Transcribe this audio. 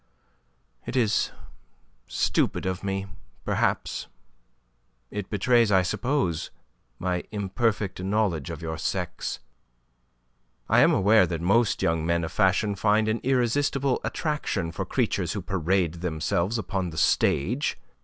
It is stupid of me, perhaps; it betrays, I suppose, my imperfect knowledge of your sex. I am aware that most young men of fashion find an irresistible attraction for creatures who parade themselves upon the stage.